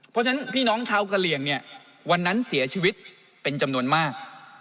เพราะฉะนั้นพี่น้องชาวกะเหลี่ยงเนี่ยวันนั้นเสียชีวิตเป็นจำนวนมาก